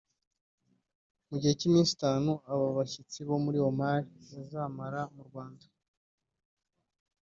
Mu gihe cy’iminsi itanu aba bashyitsi bo muri Omar bazamara mu Rwanda